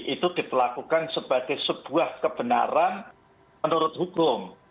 itu diperlakukan sebagai sebuah kebenaran menurut hukum